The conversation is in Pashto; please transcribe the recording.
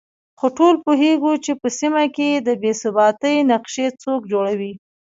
خو ټول پوهېږو چې په سيمه کې د بې ثباتۍ نقشې څوک جوړوي